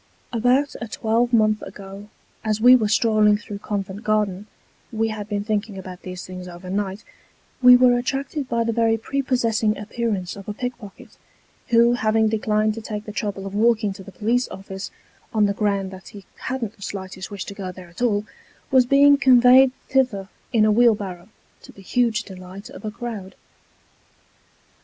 About a twelvemonth ago, as we were strolling through Covent Garden (we had been thinking about these things overnight), we were attracted by the very prepossessing appearance of a pickpocket, who having declined to take the trouble of walking to the Police office, on the ground that he hadn't the slightest wish to go there at all, was ' fl In the Casualty Ward. 179 being conveyed thither in a wheelbarrow, to the huge delight of a crowd.